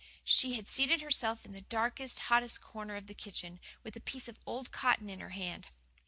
She had seated herself in the darkest, hottest corner of the kitchen, with a piece of old cotton in her hand.